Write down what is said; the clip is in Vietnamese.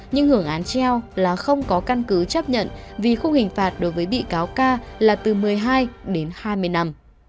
nhưng hưởng án treo là không có căn cứ chấp nhận vì khung hình phạt đối với bị cáo ca là từ một mươi hai đến hai mươi năm